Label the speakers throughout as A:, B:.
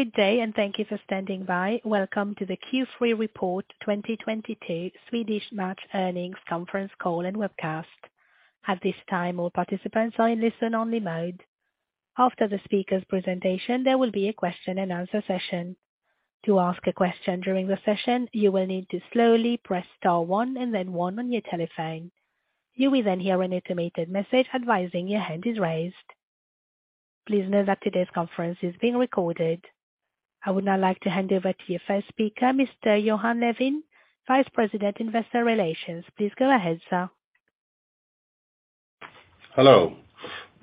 A: Good day, and thank you for standing by. Welcome to the Q3 report 2022 Swedish Match earnings conference call and webcast. At this time, all participants are in listen-only mode. After the speaker's presentation, there will be a question-and-answer session. To ask a question during the session, you will need to slowly press star one and then one on your telephone. You will then hear an automated message advising your hand is raised. Please note that today's conference is being recorded. I would now like to hand over to your first speaker, Mr. Johan Levén, Vice President, Investor Relations. Please go ahead, sir.
B: Hello.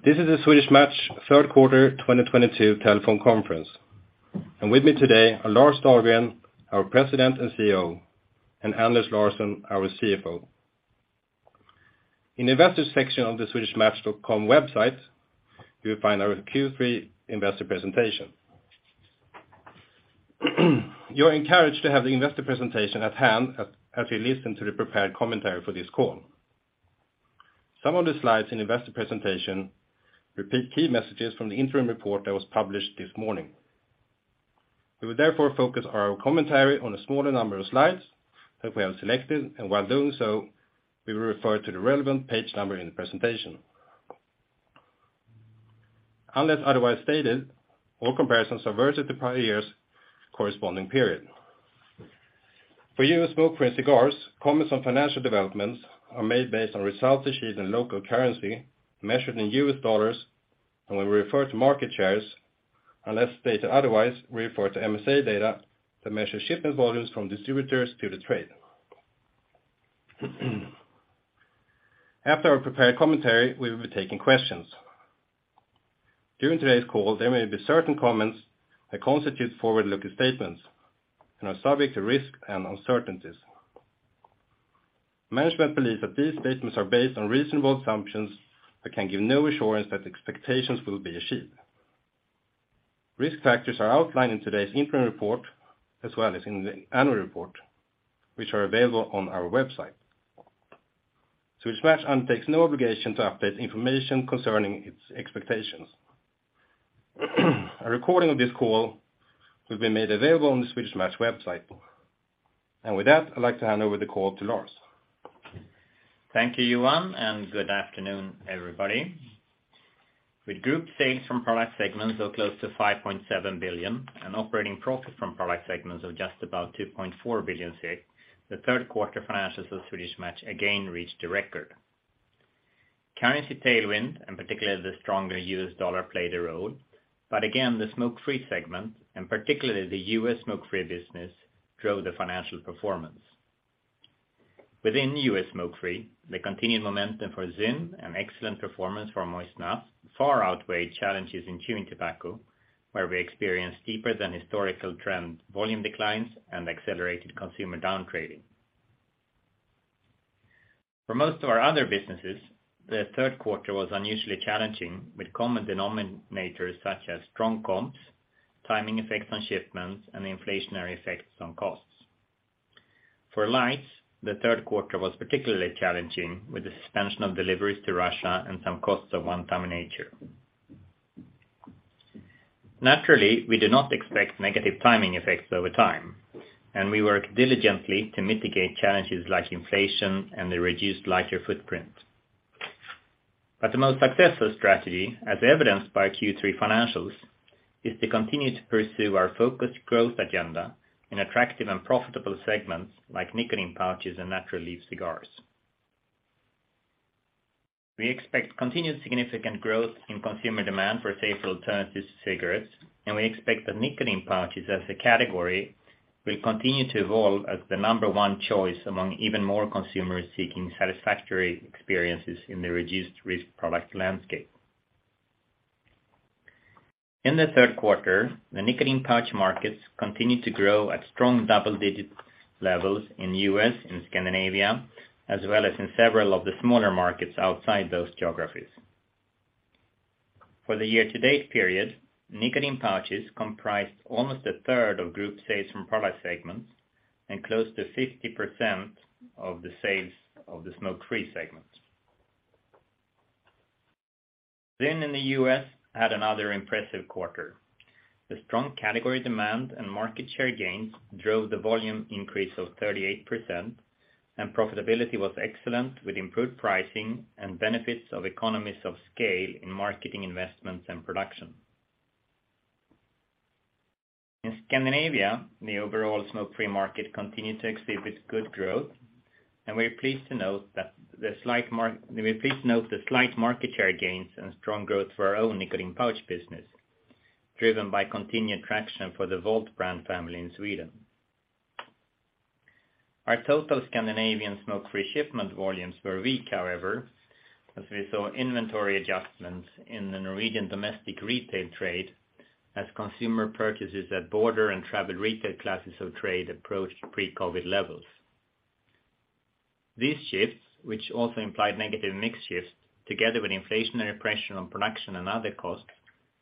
B: This is the Swedish Match third quarter 2022 telephone conference, and with me today are Lars Dahlgren, our President and CEO, and Anders Larsson, our CFO. In investor section of the swedishmatch.com website, you will find our Q3 investor presentation. You are encouraged to have the investor presentation at hand as you listen to the prepared commentary for this call. Some of the slides in investor presentation repeat key messages from the interim report that was published this morning. We will therefore focus our commentary on a smaller number of slides that we have selected, and while doing so, we will refer to the relevant page number in the presentation. Unless otherwise stated, all comparisons are versus the prior year's corresponding period. For U.S. Smokefree and Cigars, comments on financial developments are made based on results issued in local currency measured in U.S. dollars. When we refer to market shares, unless stated otherwise, we refer to MSA data that measure shipment volumes from distributors to the trade. After our prepared commentary, we will be taking questions. During today's call, there may be certain comments that constitute forward-looking statements and are subject to risk and uncertainties. Management believes that these statements are based on reasonable assumptions, but can give no assurance that expectations will be achieved. Risk factors are outlined in today's interim report, as well as in the annual report, which are available on our website. Swedish Match undertakes no obligation to update information concerning its expectations. A recording of this call will be made available on the Swedish Match website. With that, I'd like to hand over the call to Lars.
C: Thank you, Johan, and good afternoon, everybody. With group sales from product segments of close to 5.7 billion and operating profit from product segments of just about 2.4 billion, the third quarter financials of Swedish Match again reached a record. Currency tailwind and particularly the stronger U.S. dollar played a role. Again, the Smokefree segment, and particularly the U.S. Smokefree business, drove the financial performance. Within U.S. Smokefree, the continued momentum for ZYN and excellent performance for moist snuff far outweighed challenges in chewing tobacco, where we experienced deeper than historical trend volume declines and accelerated consumer downgrading. For most of our other businesses, the third quarter was unusually challenging with common denominators such as strong comps, timing effects on shipments, and inflationary effects on costs. For Lighters, the third quarter was particularly challenging with the suspension of deliveries to Russia and some costs of one-time nature. Naturally, we do not expect negative timing effects over time, and we work diligently to mitigate challenges like inflation and the reduced lighter footprint. The most successful strategy, as evidenced by our Q3 financials, is to continue to pursue our focused growth agenda in attractive and profitable segments like nicotine pouches and natural leaf cigars. We expect continued significant growth in consumer demand for safer alternatives to cigarettes, and we expect that nicotine pouches, as a category, will continue to evolve as the number one choice among even more consumers seeking satisfactory experiences in the reduced risk product landscape. In the third quarter, the nicotine pouch markets continued to grow at strong double-digit levels in the U.S. Scandinavia, as well as in several of the smaller markets outside those geographies. For the year-to-date period, nicotine pouches comprised almost 1/3 of group sales from product segments and close to 50% of the sales of the Smokefree segment. ZYN in the U.S. had another impressive quarter. The strong category demand and market share gains drove the volume increase of 38%, and profitability was excellent with improved pricing and benefits of economies of scale in marketing investments and production. In Scandinavia, the overall Smokefree market continued to exhibit good growth, and we're pleased to note the slight market share gains and strong growth for our own nicotine pouch business, driven by continued traction for the VOLT brand family in Sweden. Our total Scandinavian Smokefree shipment volumes were weak, however, as we saw inventory adjustments in the Norwegian domestic retail trade as consumer purchases at border and travel retail classes of trade approached pre-COVID levels. These shifts, which also implied negative mix shifts together with inflationary pressure on production and other costs,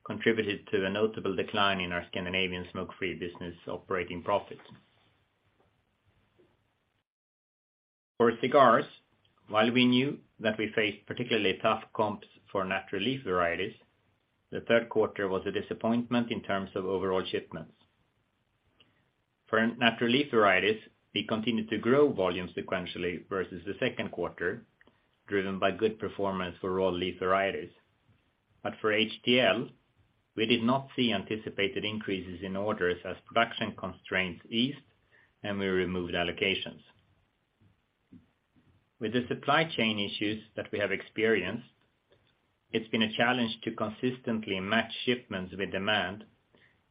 C: contributed to a notable decline in our Scandinavian Smokefree business operating profit. For Cigars, while we knew that we faced particularly tough comps for natural leaf varieties, the third quarter was a disappointment in terms of overall shipments. For natural leaf varieties, we continued to grow volume sequentially versus the second quarter, driven by good performance for raw leaf varieties. But for HTL, we did not see anticipated increases in orders as production constraints eased, and we removed allocations. With the supply chain issues that we have experienced, it's been a challenge to consistently match shipments with demand,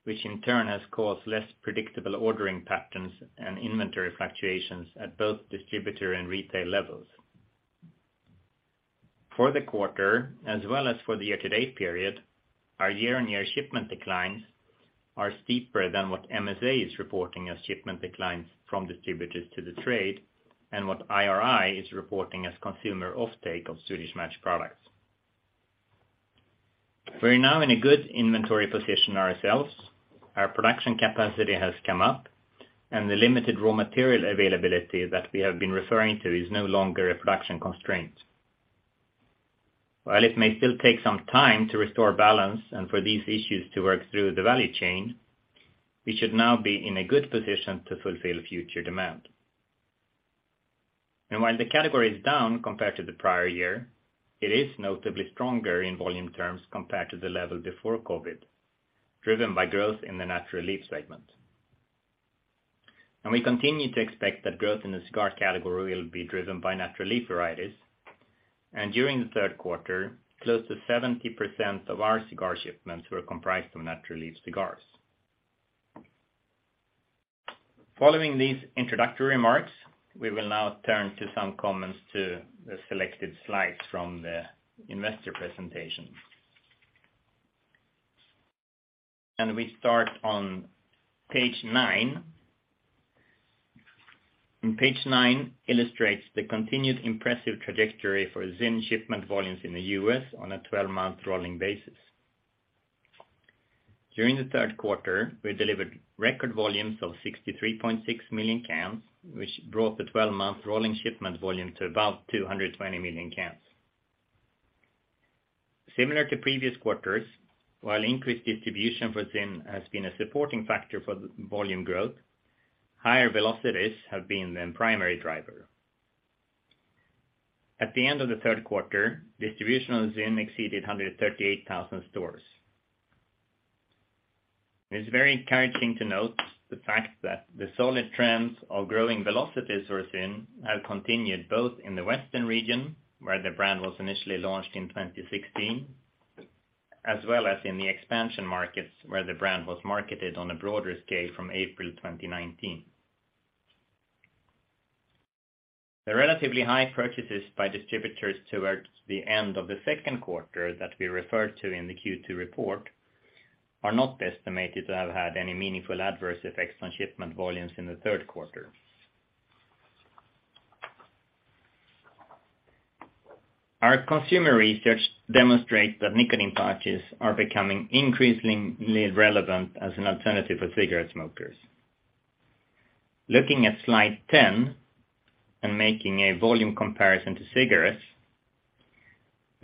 C: which in turn has caused less predictable ordering patterns and inventory fluctuations at both distributor and retail levels. For the quarter, as well as for the year-to-date period, our year-on-year shipment declines are steeper than what MSA is reporting as shipment declines from distributors to the trade and what IRI is reporting as consumer offtake of Swedish Match products. We're now in a good inventory position ourselves. Our production capacity has come up, and the limited raw material availability that we have been referring to is no longer a production constraint. While it may still take some time to restore balance and for these issues to work through the value chain, we should now be in a good position to fulfill future demand. While the category is down compared to the prior year, it is notably stronger in volume terms compared to the level before COVID, driven by growth in the natural leaf segment. We continue to expect that growth in the cigar category will be driven by natural leaf varieties. During the third quarter, close to 70% of our cigar shipments were comprised of natural leaf cigars. Following these introductory remarks, we will now turn to some comments to the selected slides from the investor presentation. We start on page nine. Page nine illustrates the continued impressive trajectory for ZYN shipment volumes in the U.S. on a 12-month rolling basis. During the third quarter, we delivered record volumes of 63.6 million cans, which brought the twelve-month rolling shipment volume to about 220 million cans. Similar to previous quarters, while increased distribution for ZYN has been a supporting factor for volume growth, higher velocities have been the primary driver. At the end of the third quarter, distribution of ZYN exceeded 138,000 stores. It's very encouraging to note the fact that the solid trends of growing velocities for ZYN have continued both in the Western region, where the brand was initially launched in 2016, as well as in the expansion markets where the brand was marketed on a broader scale from April 2019. The relatively high purchases by distributors towards the end of the second quarter that we referred to in the Q2 report are not estimated to have had any meaningful adverse effects on shipment volumes in the third quarter. Our consumer research demonstrates that nicotine pouches are becoming increasingly relevant as an alternative for cigarette smokers. Looking at slide 10 and making a volume comparison to cigarettes,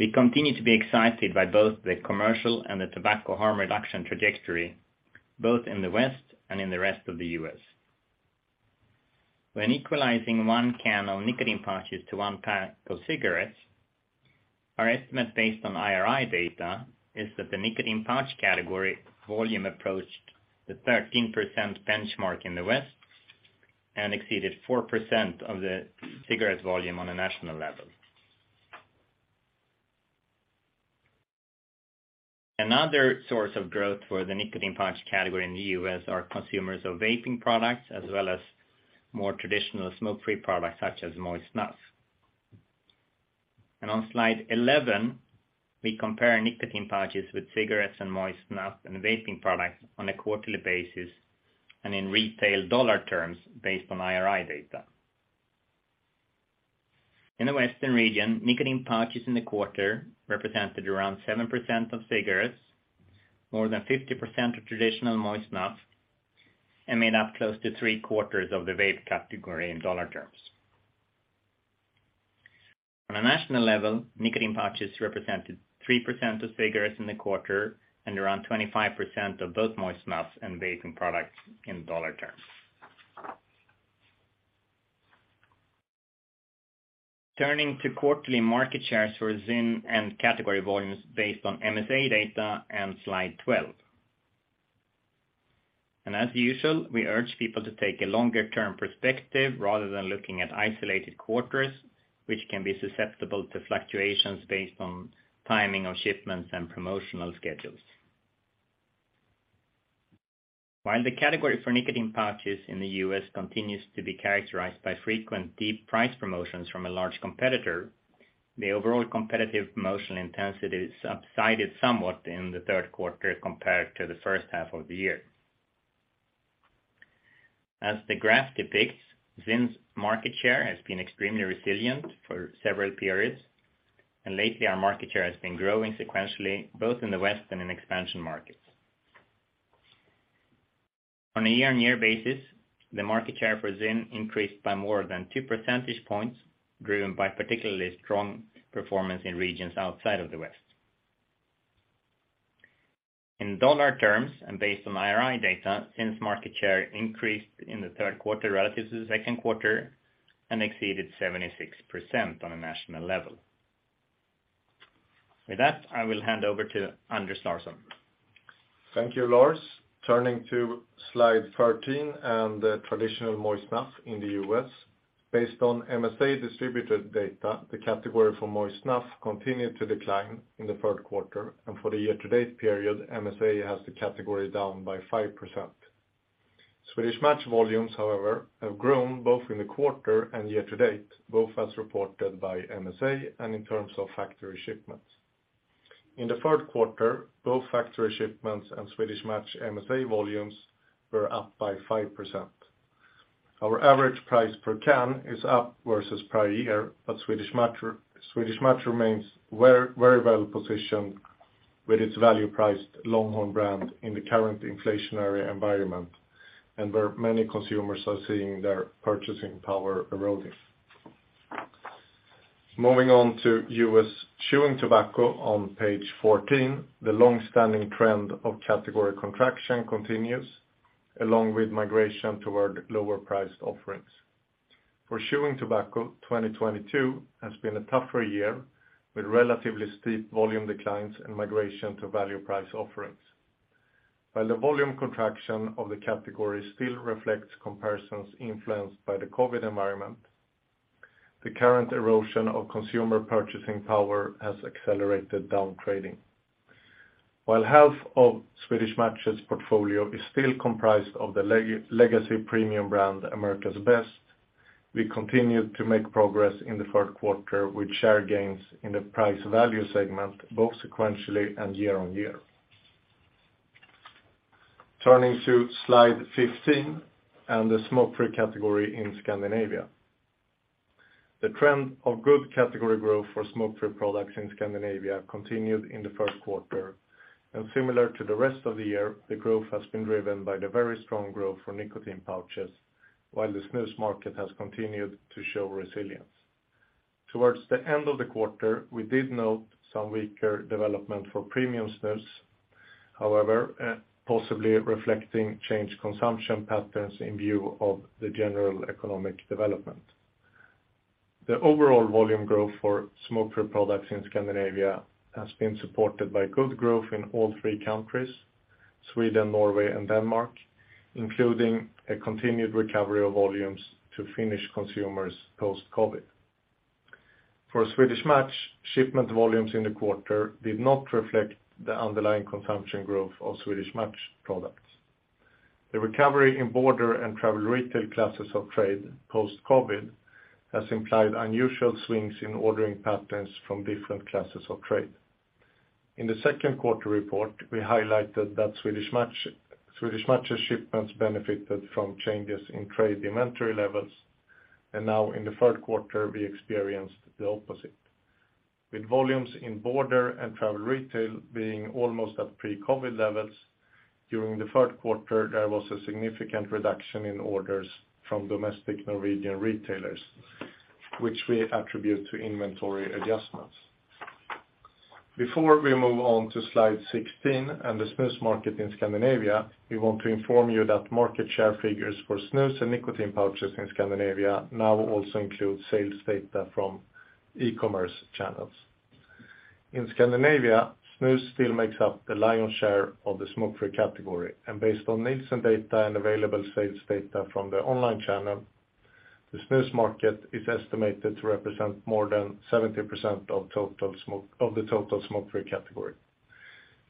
C: we continue to be excited by both the commercial and the tobacco harm reduction trajectory, both in the West and in the rest of the U.S. When equalizing one can of nicotine pouches to one pack of cigarettes, our estimate based on IRI data is that the nicotine pouch category volume approached the 13% benchmark in the West and exceeded 4% of the cigarette volume on a national level. Another source of growth for the nicotine pouch category in the U.S. are consumers of vaping products as well as more traditional smokefree products such as moist snuff. On slide 11, we compare nicotine pouches with cigarettes and moist snuff and vaping products on a quarterly basis and in retail dollar terms based on IRI data. In the Western region, nicotine pouches in the quarter represented around 7% of cigarettes, more than 50% of traditional moist snuff, and made up close to 3/4 of the vape category in dollar terms. On a national level, nicotine pouches represented 3% of cigarettes in the quarter and around 25% of both moist snuff and vaping products in dollar terms. Turning to quarterly market shares for ZYN and category volumes based on MSA data and slide 12. As usual, we urge people to take a longer-term perspective rather than looking at isolated quarters, which can be susceptible to fluctuations based on timing of shipments and promotional schedules. While the category for nicotine pouches in the U.S. continues to be characterized by frequent deep price promotions from a large competitor, the overall competitive promotional intensity subsided somewhat in the third quarter compared to the first half of the year. As the graph depicts, ZYN's market share has been extremely resilient for several periods, and lately our market share has been growing sequentially, both in the West and in expansion markets. On a year-on-year basis, the market share for ZYN increased by more than two percentage points, driven by particularly strong performance in regions outside of the West. In dollar terms, and based on IRI data, ZYN's market share increased in the third quarter relative to the second quarter and exceeded 76% on a national level. With that, I will hand over to Anders Larsson.
D: Thank you, Lars. Turning to slide 13 and the traditional moist snuff in the U.S. Based on MSA distributed data, the category for moist snuff continued to decline in the third quarter, and for the year-to-date period, MSA has the category down by 5%. Swedish Match volumes, however, have grown both in the quarter and year-to-date, both as reported by MSA and in terms of factory shipments. In the third quarter, both factory shipments and Swedish Match MSA volumes were up by 5%. Our average price per can is up versus prior year, but Swedish Match remains very, very well-positioned with its value-priced Longhorn brand in the current inflationary environment, and where many consumers are seeing their purchasing power eroding. Moving on to U.S. chewing tobacco on page 14, the long-standing trend of category contraction continues, along with migration toward lower-priced offerings. For chewing tobacco, 2022 has been a tougher year, with relatively steep volume declines and migration to value-priced offerings. While the volume contraction of the category still reflects comparisons influenced by the COVID environment, the current erosion of consumer purchasing power has accelerated down-trading. While half of Swedish Match's portfolio is still comprised of the legacy premium brand, America's Best Chew, we continued to make progress in the third quarter with share gains in the price-value segment, both sequentially and year-on-year. Turning to slide 15 and the Smokefree category in Scandinavia. The trend of good category growth for Smokefree products in Scandinavia continued in the first quarter. Similar to the rest of the year, the growth has been driven by the very strong growth for nicotine pouches, while the snus market has continued to show resilience. Towards the end of the quarter, we did note some weaker development for premium snus, however, possibly reflecting changed consumption patterns in view of the general economic development. The overall volume growth for Smokefree products in Scandinavia has been supported by good growth in all three countries, Sweden, Norway, and Denmark, including a continued recovery of volumes to Finnish consumers post-COVID. For Swedish Match, shipment volumes in the quarter did not reflect the underlying consumption growth of Swedish Match products. The recovery in border and travel retail classes of trade post-COVID has implied unusual swings in ordering patterns from different classes of trade. In the second quarter report, we highlighted that Swedish Match's shipments benefited from changes in trade inventory levels, and now in the third quarter, we experienced the opposite. With volumes in border and travel retail being almost at pre-COVID levels, during the third quarter, there was a significant reduction in orders from domestic Norwegian retailers, which we attribute to inventory adjustments. Before we move on to slide 16 and the snus market in Scandinavia, we want to inform you that market share figures for snus and nicotine pouches in Scandinavia now also include sales data from e-commerce channels. In Scandinavia, snus still makes up the lion's share of the Smokefree category, and based on Nielsen data and available sales data from the online channel, the snus market is estimated to represent more than 70% of the total Smokefree category.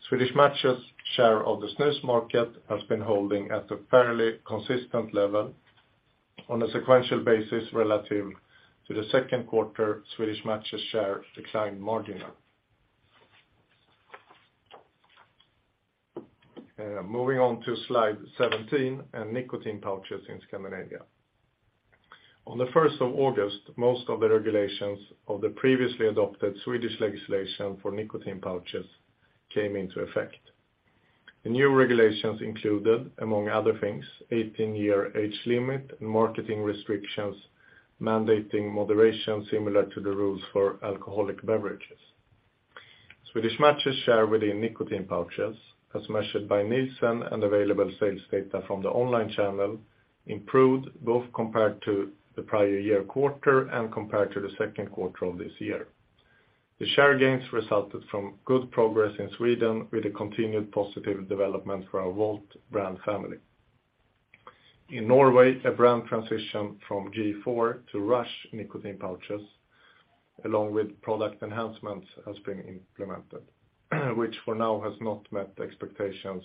D: Swedish Match's share of the snus market has been holding at a fairly consistent level. On a sequential basis relative to the second quarter, Swedish Match's share declined marginally. Moving on to slide 17 and nicotine pouches in Scandinavia. On the first of August, most of the regulations of the previously adopted Swedish legislation for nicotine pouches came into effect. The new regulations included, among other things, 18-year age limit and marketing restrictions mandating moderation similar to the rules for alcoholic beverages. Swedish Match's share within nicotine pouches, as measured by Nielsen and available sales data from the online channel, improved both compared to the prior year quarter and compared to the second quarter of this year. The share gains resulted from good progress in Sweden with a continued positive development for our VOLT brand family. In Norway, a brand transition from G.4 to RUSH nicotine pouches, along with product enhancements, has been implemented, which for now has not met the expectations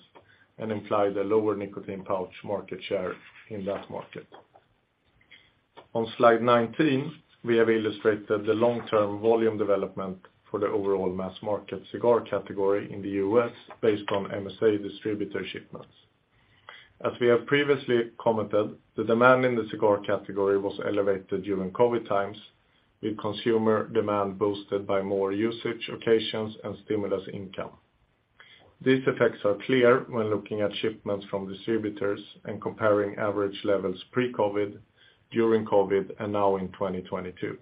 D: and implied a lower nicotine pouch market share in that market. On slide 19, we have illustrated the long-term volume development for the overall mass market cigar category in the U.S. based on MSA distributor shipments. As we have previously commented, the demand in the cigar category was elevated during COVID times. With consumer demand boosted by more usage occasions and stimulus income. These effects are clear when looking at shipments from distributors and comparing average levels pre-COVID, during COVID, and now in 2022.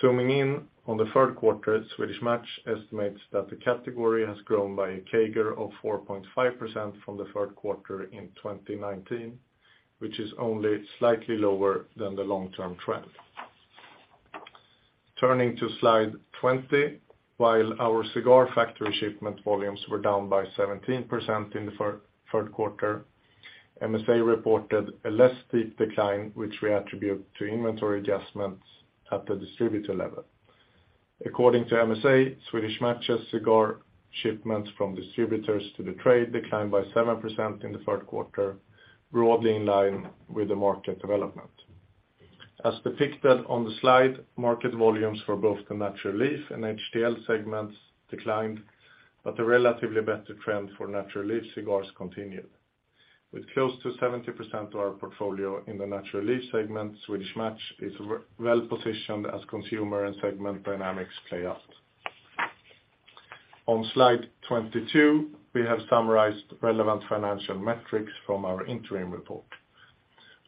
D: Zooming in on the third quarter, Swedish Match estimates that the category has grown by a CAGR of 4.5% from the third quarter in 2019, which is only slightly lower than the long-term trend. Turning to slide 20, while our cigar factory shipment volumes were down by 17% in the third quarter, MSA reported a less steep decline, which we attribute to inventory adjustments at the distributor level. According to MSA, Swedish Match's cigar shipments from distributors to the trade declined by 7% in the third quarter, broadly in line with the market development. As depicted on the slide, market volumes for both the natural leaf and HTL segments declined, but the relatively better trend for natural leaf cigars continued. With close to 70% of our portfolio in the natural leaf segment, Swedish Match is well positioned as consumer and segment dynamics play out. On slide 22, we have summarized relevant financial metrics from our interim report.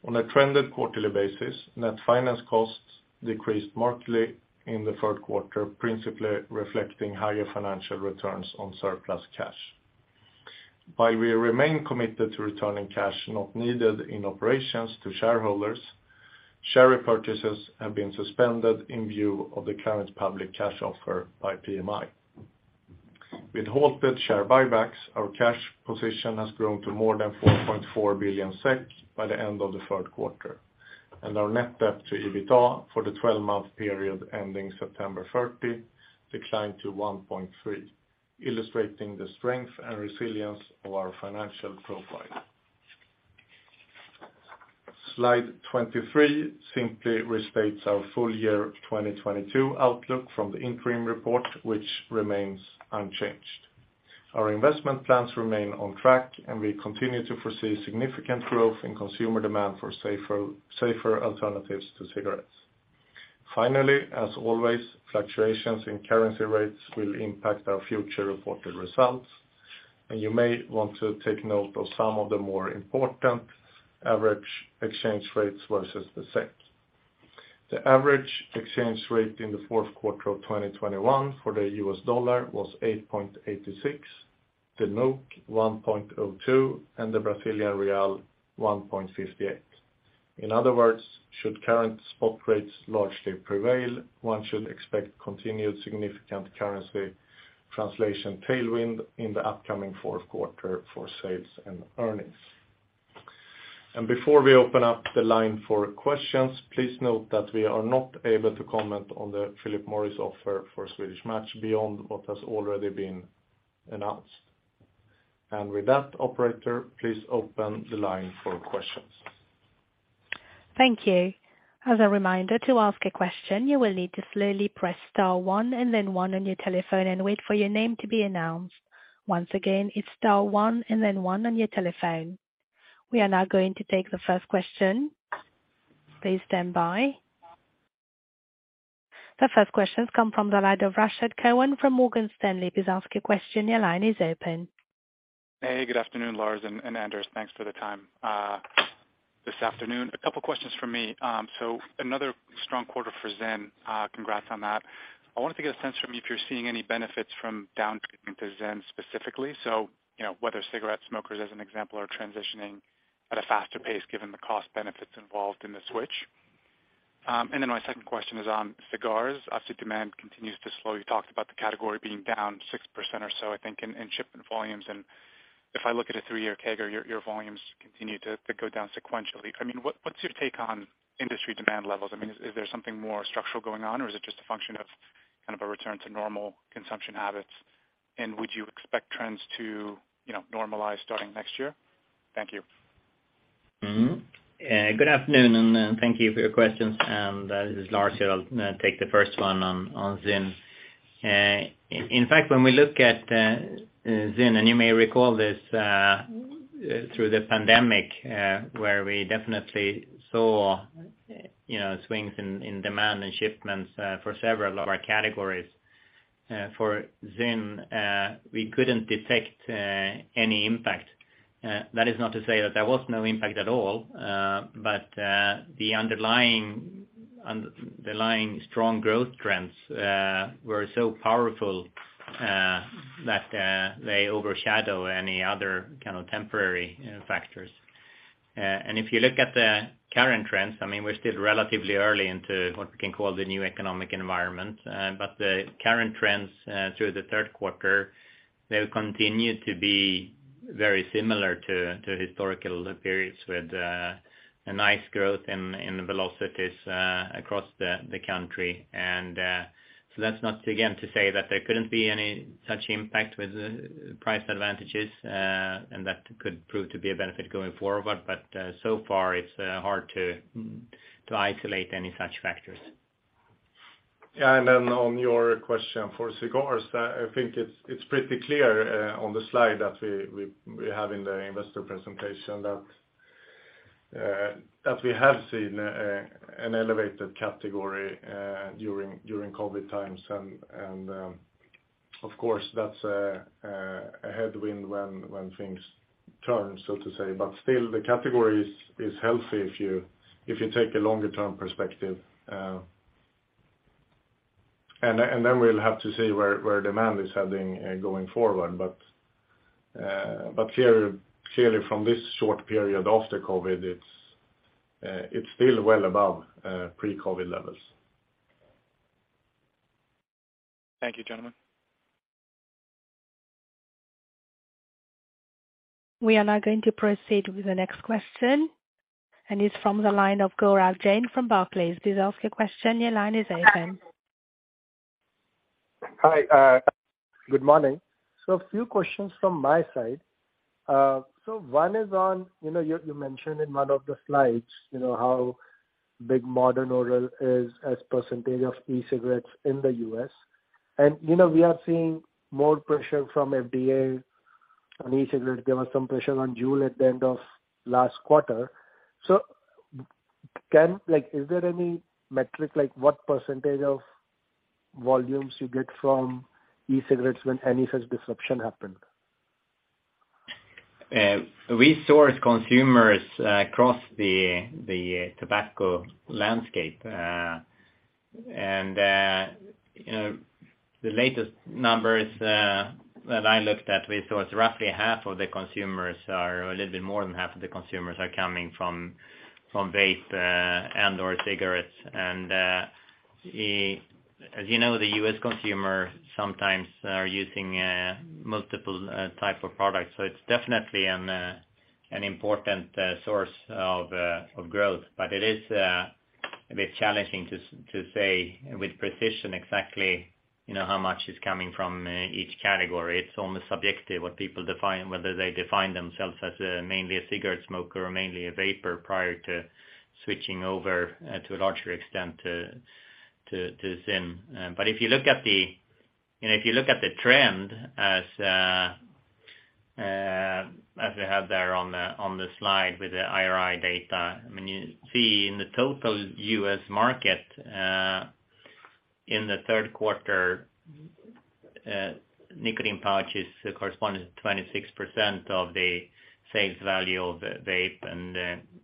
D: On a trended quarterly basis, net finance costs decreased markedly in the third quarter, principally reflecting higher financial returns on surplus cash. While we remain committed to returning cash not needed in operations to shareholders, share repurchases have been suspended in view of the current public cash offer by PMI. With halted share buybacks, our cash position has grown to more than 4.4 billion SEK by the end of the third quarter, and our net debt to EBITDA for the 12-month period ending September 30 declined to 1.3%, illustrating the strength and resilience of our financial profile. Slide 23 simply restates our full year 2022 outlook from the interim report, which remains unchanged. Our investment plans remain on track, and we continue to foresee significant growth in consumer demand for safer alternatives to cigarettes. Finally, as always, fluctuations in currency rates will impact our future reported results, and you may want to take note of some of the more important average exchange rates versus the SEK. The average exchange rate in the fourth quarter of 2021 for the U.S. dollar was $8.86, the 1.02, and the 1.58. In other words, should current spot rates largely prevail, one should expect continued significant currency translation tailwind in the upcoming fourth quarter for sales and earnings. Before we open up the line for questions, please note that we are not able to comment on the Philip Morris offer for Swedish Match beyond what has already been announced. With that, operator, please open the line for questions.
A: Thank you. As a reminder, to ask a question, you will need to slowly press star one and then one on your telephone and wait for your name to be announced. Once again, it's star one and then one on your telephone. We are now going to take the first question. Please stand by. The first question comes from the line of Rashad Kawan from Morgan Stanley. Please ask your question. Your line is open.
E: Hey, good afternoon, Lars and Anders. Thanks for the time, this afternoon. A couple questions from me. Another strong quarter for ZYN. Congrats on that. I wanted to get a sense from you if you're seeing any benefits from down-trading to ZYN specifically. You know, whether cigarette smokers, as an example, are transitioning at a faster pace given the cost benefits involved in the switch. My second question is on cigars. Obviously, demand continues to slow. You talked about the category being down 6% or so, I think, in shipment volumes. If I look at a three-year CAGR, your volumes continue to go down sequentially. I mean, what's your take on industry demand levels? I mean, is there something more structural going on, or is it just a function of kind of a return to normal consumption habits? Would you expect trends to, you know, normalize starting next year? Thank you.
C: Good afternoon, and thank you for your questions. This is Lars here. I'll take the first one on ZYN. In fact, when we look at ZYN, and you may recall this through the pandemic, where we definitely saw, you know, swings in demand and shipments for several of our categories. For ZYN, we couldn't detect any impact. That is not to say that there was no impact at all, but the underlying strong growth trends were so powerful that they overshadow any other kind of temporary factors. If you look at the current trends, I mean, we're still relatively early into what we can call the new economic environment, but the current trends through the third quarter, they've continued to be very similar to historical periods with a nice growth in the volumes across the country. So that's not again to say that there couldn't be any such impact with price advantages, and that could prove to be a benefit going forward, but so far it's hard to isolate any such factors.
D: On your question for Cigars, I think it's pretty clear on the slide that we have in the investor presentation that we have seen an elevated category during COVID times. Of course, that's a headwind when things turn, so to speak. Still the category is healthy if you take a longer term perspective. Then we'll have to see where demand is heading going forward. Clearly from this short period after COVID, it's still well above pre-COVID levels.
E: Thank you, gentlemen.
A: We are now going to proceed with the next question, and it's from the line of Gaurav Jain from Barclays. Please ask your question. Your line is open.
F: Hi. Good morning. A few questions from my side. One is on, you know, you mentioned in one of the slides, you know, how big modern oral is as percentage of e-cigarettes in the U.S. We are seeing more pressure from FDA on e-cigarettes. There was some pressure on Juul at the end of last quarter. Like, is there any metric, like what percentage of volumes you get from e-cigarettes when any such disruption happen?
C: We source consumers across the tobacco landscape. You know, the latest numbers that I looked at, we thought roughly half of the consumers are, or a little bit more than half of the consumers are coming from vape and/or cigarettes. As you know, the U.S. consumer sometimes are using multiple type of products, so it's definitely an important source of growth. It is a bit challenging to say with precision exactly, you know, how much is coming from each category. It's almost subjective what people define, whether they define themselves as mainly a cigarette smoker or mainly a vaper prior to switching over to a larger extent to ZYN. If you look at the, you know, if you look at the trend as we have there on the, on the slide with the IRI data, I mean, you see in the total U.S. market, in the third quarter, nicotine pouches corresponded to 26% of the sales value of vape.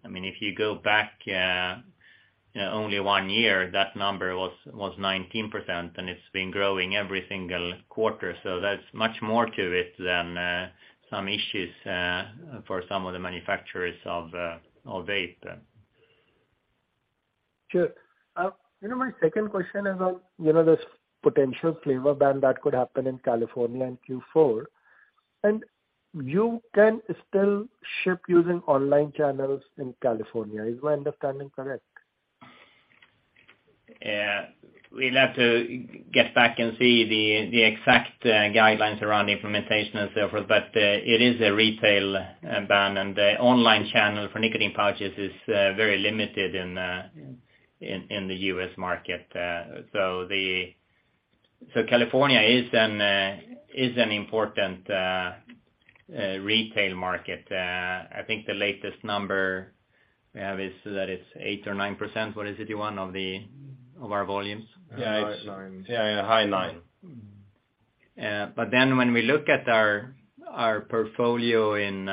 C: I mean, if you go back, you know, only one year, that number was 19%, and it's been growing every single quarter. That's much more to it than some issues for some of the manufacturers of vape.
F: Sure. You know, my second question is on, you know, this potential flavor ban that could happen in California in Q4, and you can still ship using online channels in California. Is my understanding correct?
C: We'll have to get back and see the exact guidelines around implementation and so forth. It is a retail ban, and the online channel for nicotine pouches is very limited in the U.S. market. California is an important retail market. I think the latest number we have is that it's 8% or 9%. What is it, Johan, of our volumes?
B: Yeah, it's.
D: High nines.
B: Yeah, high 9.
C: When we look at our portfolio in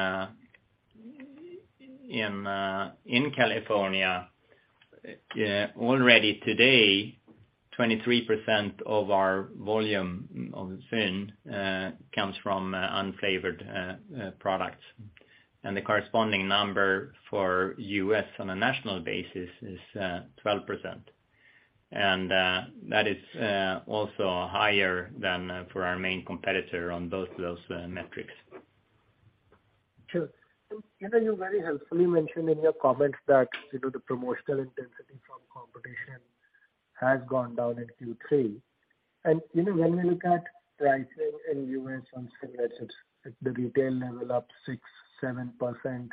C: California, already today 23% of our volume of ZYN comes from unflavored products. The corresponding number for the U.S. on a national basis is 12%. That is also higher than for our main competitor on both those metrics.
F: Sure. You know, you very helpfully mentioned in your comments that, you know, the promotional intensity from competition has gone down in Q3. You know, when we look at pricing in U.S. on cigarettes at the retail level, up 6%-7%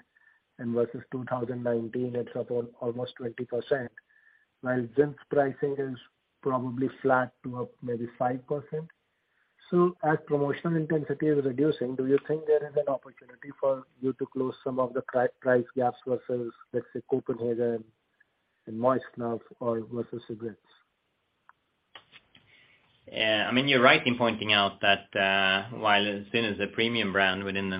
F: and versus 2019, it's up almost 20%, while ZYN's pricing is probably flat to up maybe 5%. As promotional intensity is reducing, do you think there is an opportunity for you to close some of the price gaps versus, let's say, Copenhagen and moist snuff or versus cigarettes?
C: I mean, you're right in pointing out that while ZYN is a premium brand within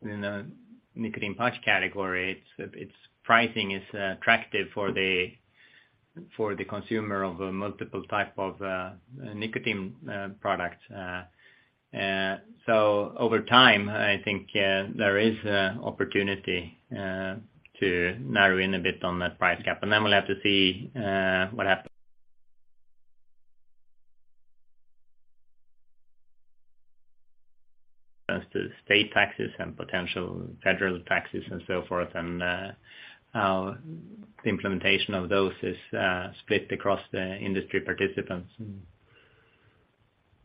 C: the nicotine pouch category, its pricing is attractive for the consumer of a multiple type of nicotine products. Over time, I think, there is opportunity to narrow in a bit on that price gap. Then we'll have to see what happens as to state taxes and potential federal taxes and so forth, and how the implementation of those is split across the industry participants.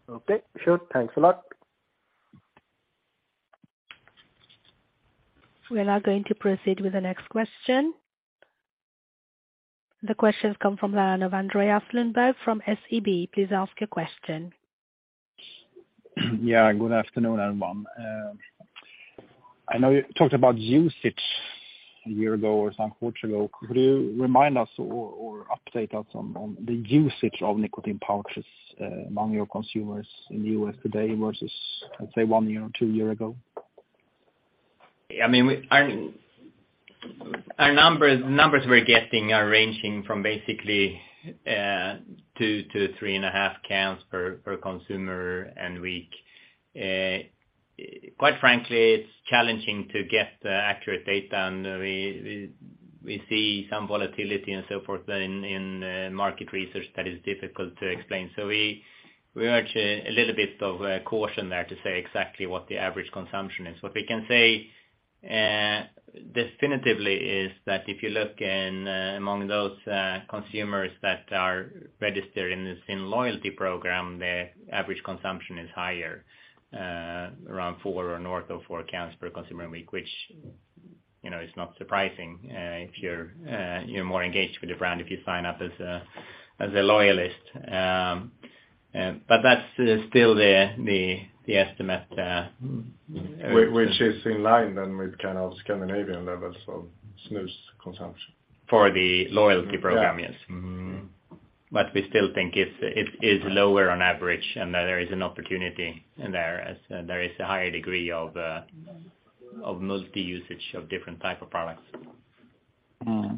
F: Okay, sure. Thanks a lot.
A: We are now going to proceed with the next question. The question comes from the line of Andreas Lundberg from SEB. Please ask your question.
G: Yeah, good afternoon, everyone. I know you talked about usage a year ago or some quarter ago. Could you remind us or update us on the usage of nicotine pouches among your consumers in the U.S. today versus, let's say, one year or two year ago?
C: I mean, our numbers we're getting are ranging from basically 2-3.5 cans per consumer a week. Quite frankly, it's challenging to get accurate data, and we see some volatility and so forth in market research that is difficult to explain. We urge a little bit of caution there to say exactly what the average consumption is. What we can say definitively is that if you look among those consumers that are registered in the ZYN loyalty program, the average consumption is higher around 4 or north of 4 cans per consumer a week, which, you know, is not surprising if you're more engaged with the brand, if you sign up as a loyalist. That's still the estimate.
D: Which is in line then with kind of Scandinavian levels of snus consumption.
C: For the loyalty program.
D: Yes.
G: Mm-hmm.
C: We still think it is lower on average, and there is an opportunity in there as there is a higher degree of multi-usage of different type of products.
G: Mm-hmm.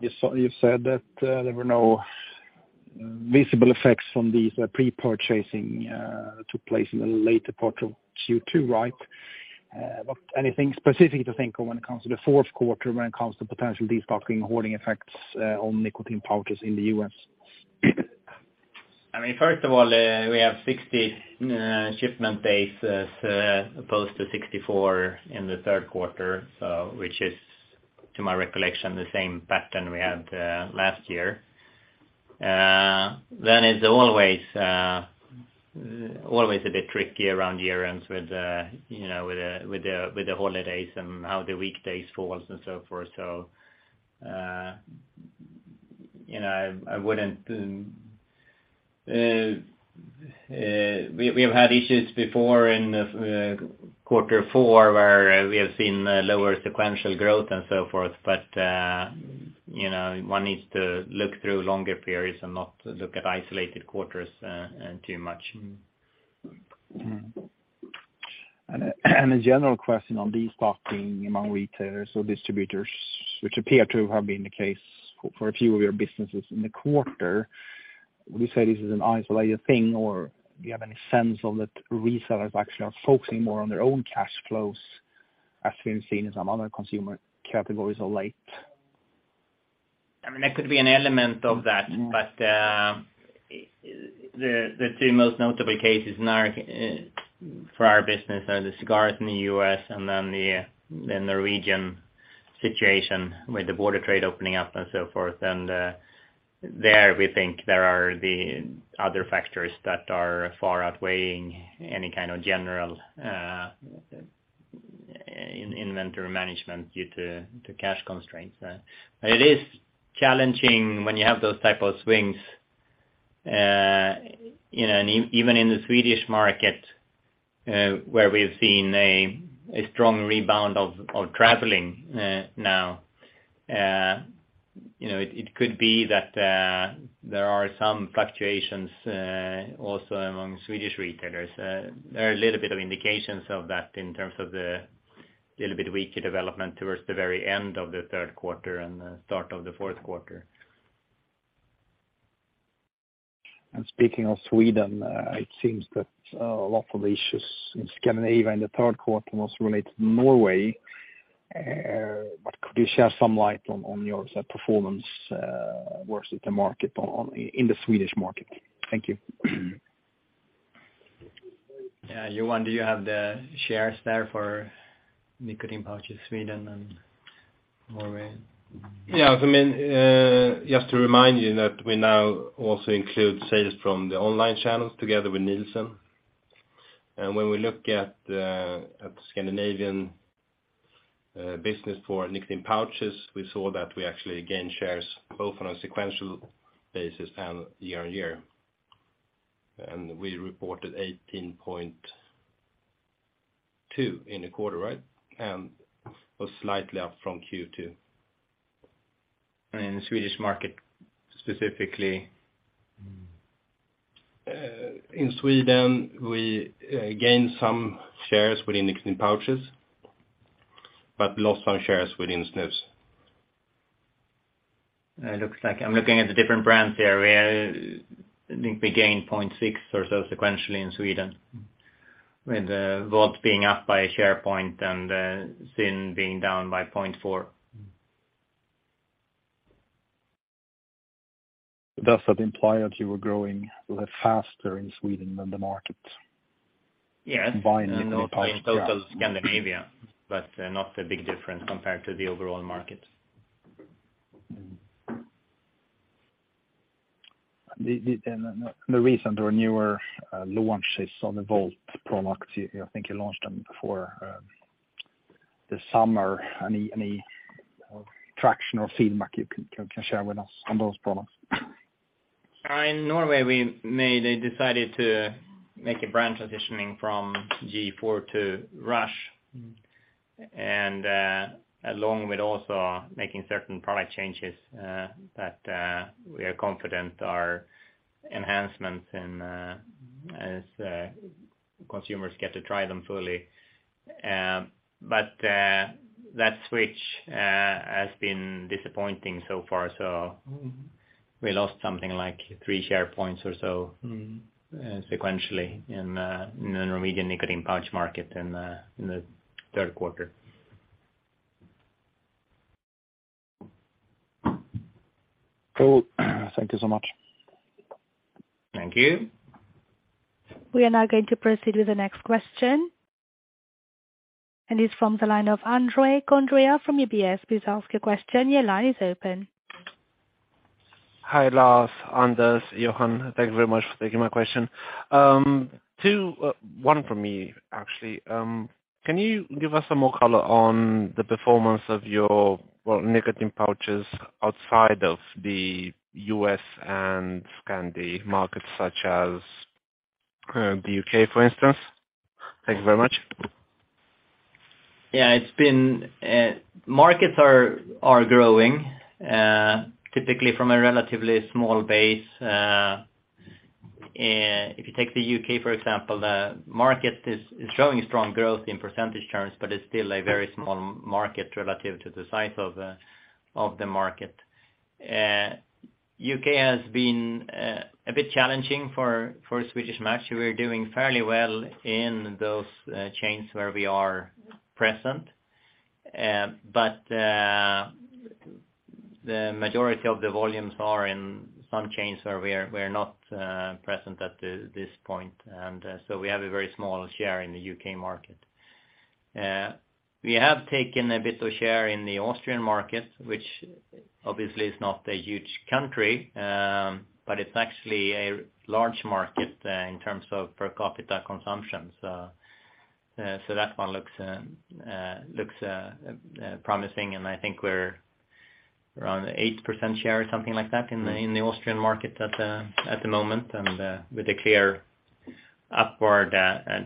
G: You said that there were no visible effects from these pre-purchasing took place in the later part of Q2, right? Anything specific to think of when it comes to the fourth quarter, when it comes to potential destocking, hoarding effects, on nicotine pouches in the U.S.?
C: I mean, first of all, we have 60 shipment days as opposed to 64 in the third quarter, so which is, to my recollection, the same pattern we had last year. It's always a bit tricky around year-ends with you know, with the holidays and how the weekdays falls and so forth. You know, we have had issues before in quarter four, where we have seen lower sequential growth and so forth. You know, one needs to look through longer periods and not look at isolated quarters too much.
G: A general question on destocking among retailers or distributors, which appear to have been the case for a few of your businesses in the quarter. Would you say this is an isolated thing, or do you have any sense of that resellers actually are focusing more on their own cash flows, as we've seen in some other consumer categories of late?
C: I mean, that could be an element of that. The two most notable cases for our business are the cigars in the U.S. and then the Norwegian situation with the border trade opening up and so forth. There we think there are other factors that are far outweighing any kind of general inventory management due to cash constraints. It is challenging when you have those type of swings, you know, and even in the Swedish market, where we've seen a strong rebound of traveling, now, you know, it could be that there are some fluctuations also among Swedish retailers. There are a little bit of indications of that in terms of the little bit weaker development towards the very end of the third quarter and the start of the fourth quarter.
G: Speaking of Sweden, it seems that a lot of the issues in Scandinavia in the third quarter was related to Norway. Could you shed some light on your snus performance versus the market in the Swedish market? Thank you.
C: Yeah. Johan, do you have the shares there for nicotine pouches, Sweden and Norway?
B: Yeah. I mean, just to remind you that we now also include sales from the online channels together with Nielsen. When we look at the Scandinavian business for nicotine pouches, we saw that we actually gained shares both on a sequential basis and year-on-year. We reported 18.2% in the quarter, right? Was slightly up from Q2. In the Swedish market specifically? In Sweden, we gained some shares within nicotine pouches, but lost some shares within snus.
C: It looks like I'm looking at the different brands there. I think we gained 0.6 or so sequentially in Sweden, with VOLT being up by a share point and ZYN being down by 0.4.
G: Does that imply that you were growing a bit faster in Sweden than the market?
C: Yes.
G: Combined nicotine pouch shares?
C: In total Scandinavia, but not a big difference compared to the overall market.
G: The recent or newer launches on the VOLT products, I think you launched them for the summer. Any traction or feedback you can share with us on those products?
C: In Norway, we made a decision to make a brand transition from G.4 to RUSH.
G: Mm-hmm.
C: Along with also making certain product changes that we are confident are enhancements and as consumers get to try them fully. That switch has been disappointing so far.
G: Mm-hmm.
C: We lost something like 3 share points or so.
G: Mm-hmm.
C: Sequentially in the Norwegian nicotine pouch market in the third quarter.
G: Cool. Thank you so much.
C: Thank you.
A: We are now going to proceed with the next question. It's from the line of Andrei Condrea from UBS. Please ask your question. Your line is open.
H: Hi, Lars, Anders, Johan. Thank you very much for taking my question. One for me, actually. Can you give us some more color on the performance of your, well, nicotine pouches outside of the U.S. and Scandi markets such as, the U.K., for instance? Thank you very much.
C: Yeah, it's been markets are growing typically from a relatively small base. If you take the U.K., for example, the market is showing strong growth in percentage terms, but it's still a very small market relative to the size of the market. U.K. has been a bit challenging for Swedish Match. We're doing fairly well in those chains where we are present. The majority of the volumes are in some chains where we're not present at this point. We have a very small share in the U.K. market. We have taken a bit of share in the Austrian market, which obviously is not a huge country, but it's actually a large market in terms of per capita consumption. That one looks promising, and I think we're around 8% share or something like that in the Austrian market at the moment and with a clear upward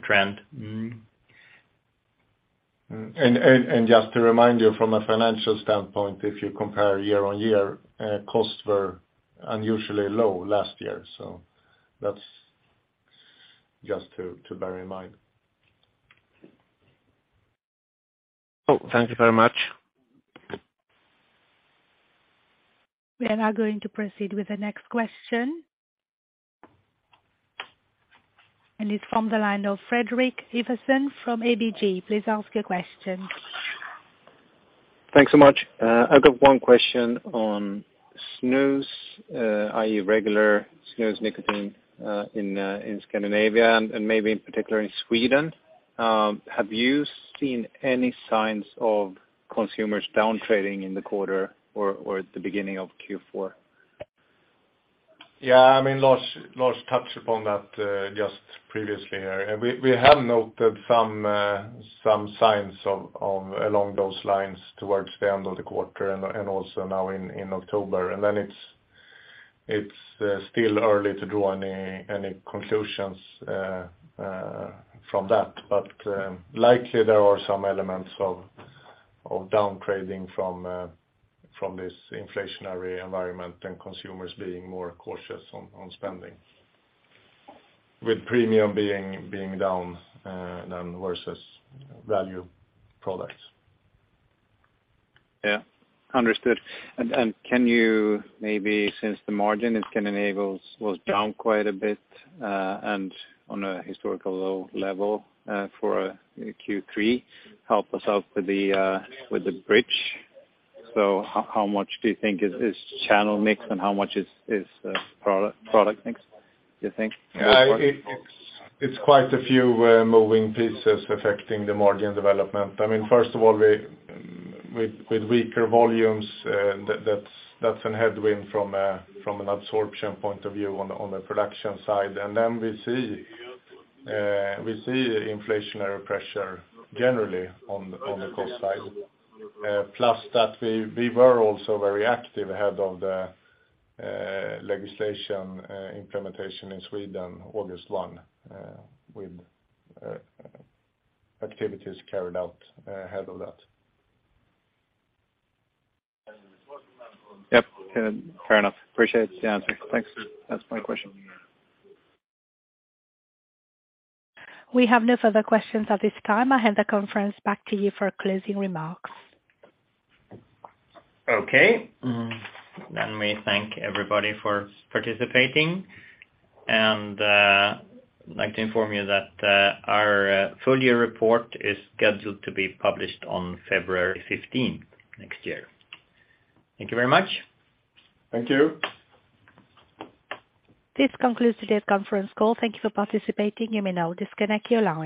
C: trend.
H: Mm-hmm.
D: Just to remind you from a financial standpoint, if you compare year-on-year, costs were unusually low last year. That's just to bear in mind.
H: Oh, thank you very much.
A: We are now going to proceed with the next question. It's from the line of Fredrik Ivarsson from ABG. Please ask your question.
I: Thanks so much. I've got one question on snus, i.e., regular snus nicotine, in Scandinavia and maybe in particular in Sweden. Have you seen any signs of consumers down-trading in the quarter or at the beginning of Q4?
D: Yeah, I mean, Lars touched upon that just previously here. We have noted some signs of along those lines towards the end of the quarter and also now in October. It's still early to draw any conclusions from that. Likely there are some elements of down-trading from this inflationary environment and consumers being more cautious on spending, with premium being down than versus value products.
I: Yeah. Understood. Can you maybe, since the margin in Scandinavia was down quite a bit, and on a historical low level, for Q3, help us out with the bridge. How much do you think is channel mix and how much is product mix, you think going forward?
D: It's quite a few moving pieces affecting the margin development. I mean, first of all, with weaker volumes, that's a headwind from an absorption point of view on the production side. We see inflationary pressure generally on the cost side. Plus that we were also very active ahead of the legislation implementation in Sweden, August 1, with activities carried out ahead of that.
I: Yep. Fair enough. Appreciate the answer. Thanks. That's my question.
A: We have no further questions at this time. I hand the conference back to you for closing remarks.
C: Okay. We thank everybody for participating. I'd like to inform you that our full year report is scheduled to be published on February 15 next year. Thank you very much.
D: Thank you.
A: This concludes today's conference call. Thank you for participating. You may now disconnect your line.